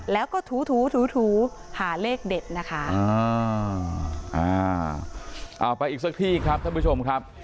แล้วก็ถูถูถูถูหาเลขเด็ดนะคะเอาไปอีกสักที่ครับท่านผู้ชมครับ